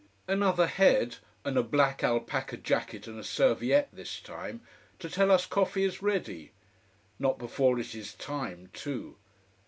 Another head and a black alpaca jacket and a serviette this time to tell us coffee is ready. Not before it is time, too.